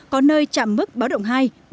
có nơi chạm mức báo động hai ba